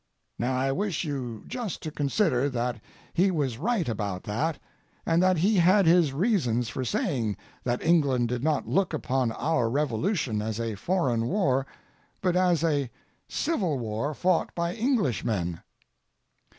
Now I wish you just to consider that he was right about that, and that he had his reasons for saying that England did not look upon our Revolution as a foreign war, but as a civil war fought by Englishmen.